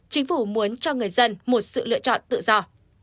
chính phủ muốn cho người dân một sự lựa chọn tự do